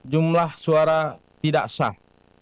jumlah suara tidak sah